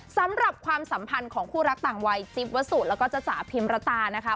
ความสัมพันธ์ของคู่รักต่างวัยจิ๊บวัสสุแล้วก็จ๊จ๋าพิมรตานะคะ